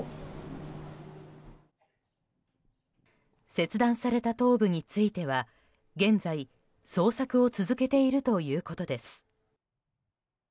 切断された頭部については現在、捜索を続けているということです。